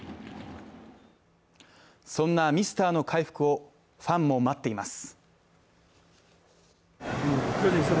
そんなミスターの回復をファンも待っています。